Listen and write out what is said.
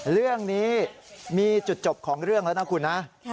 เรื่องนี้มีจุดจบของเรื่องแล้วนะคุณนะ